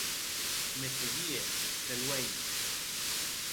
Me seguie, de luenh.